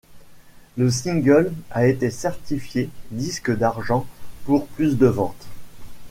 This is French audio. Le single a été certifié disque d'argent pour plus de ventes.